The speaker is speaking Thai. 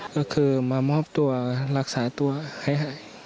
และคือมามอบตัวรักษาตัวให้